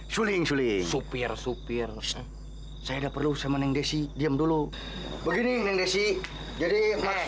suling suling supir supir saya perlu sama neng desi diam dulu begini neng desi jadi